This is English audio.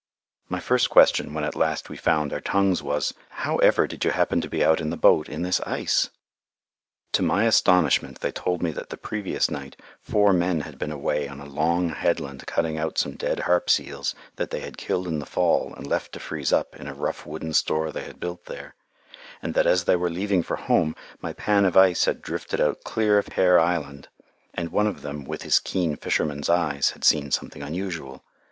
My first question, when at last we found our tongues, was, "How ever did you happen to be out in the boat in this ice?" To my astonishment they told me that the previous night four men had been away on a long headland cutting out some dead harp seals that they had killed in the fall and left to freeze up in a rough wooden store they had built there, and that as they were leaving for home, my pan of ice had drifted out clear of Hare Island, and one of them, with his keen fisherman's eyes, had seen something unusual.